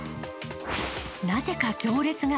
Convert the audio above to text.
なぜか行列が。